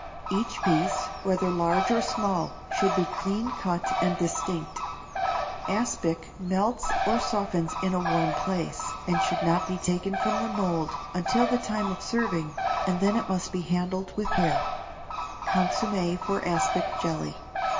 Each piece, whether large or small, should be clean cut and distinct. Aspic melts or softens in a warm place, and should not be taken from the mould until the time of serving, and then it must be handled with care. =Consommé for Aspic Jelly.